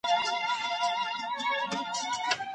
ګونګی سړی به د ږیري سره ډېري مڼې خوري.